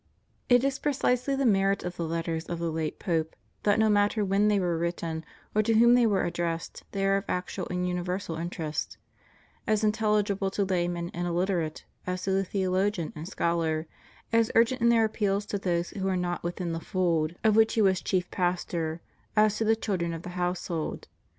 It is precisely the merit of the Letters of the late Pope that no matter when they were written, or to whom they were addressed, they are of actual and universal interest, as intelUgible to the layman and illiterate as to the theo logian and scholar, as urgent in their appeals to those who are not within the fold of which he was chief pastor as to the children of the household.